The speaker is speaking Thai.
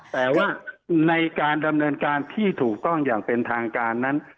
แต่ว่าในการดำเนินการที่ถูกต้องอย่างเป็นทางการนั้น